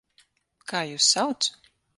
Kā jūs sauc?